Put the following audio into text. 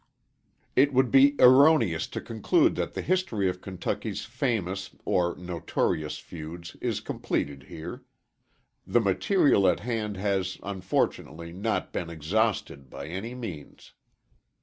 It would be erroneous to conclude that the history of Kentucky's famous, or notorious feuds is completed here. The material at hand has, unfortunately, not been exhausted by any means.